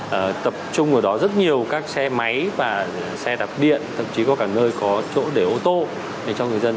và tập trung ở đó rất nhiều các xe máy và xe đạp điện thậm chí có cả nơi có chỗ để ô tô cho người dân